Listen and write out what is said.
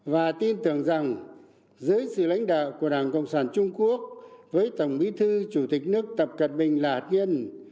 và tin tưởng rằng dưới sự lãnh đạo của đảng cộng sản trung quốc với tổng bí thư chủ tịch nước tập cận bình lạ kiên